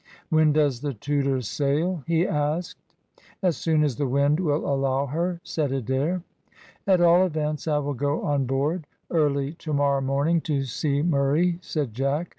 "When does the Tudor sail?" he asked. "As soon as the wind will allow her," said Adair. "At all events, I will go on board early to morrow morning to see Murray," said Jack.